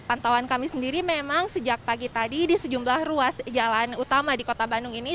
pantauan kami sendiri memang sejak pagi tadi di sejumlah ruas jalan utama di kota bandung ini